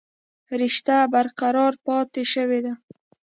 رشته برقرار پاتې شوې ده